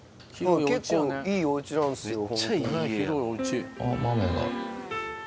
結構いいお家なんですよ。